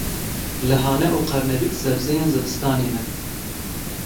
Lehane û qernebît sebzeyên zivistanê ne.